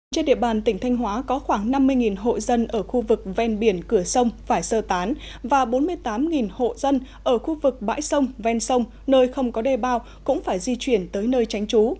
trên địa bàn tỉnh thanh hóa có khoảng năm mươi hộ dân ở khu vực ven biển cửa sông phải sơ tán và bốn mươi tám hộ dân ở khu vực bãi sông ven sông nơi không có đề bao cũng phải di chuyển tới nơi tránh trú